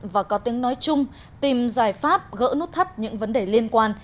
và có tiếng nói chung tìm giải pháp gỡ nút thắt những vấn đề liên quan